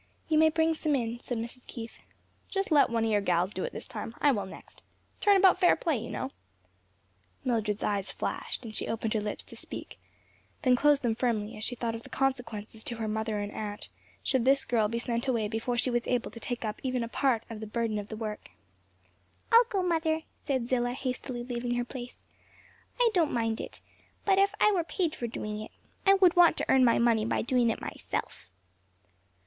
"You may bring some in," said Mrs. Keith. "Just let one o' your gals do it this time, I will next. Turn about fair play you know." Mildred's eyes flashed, and she opened her lips to speak; then closed them firmly as she thought of the consequences to her mother and aunt should this girl be sent away before she was able to take up even a part of the burden of the work. "I'll go, mother," said Zillah, hastily leaving her place, "I don't mind it; but if I were paid for doing it, I would want to earn my money by doing it myself."